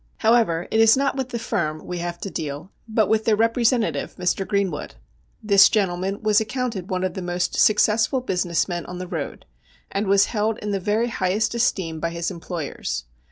However, it is not with the firm we have to deal, but with their repre sentative, Mr. Greenwood. This gentleman was accounted one of the most successful business men on the road, and was held in the very highest esteem by his employers.